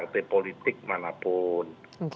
tidak boleh menanggeri penduduk bud catcher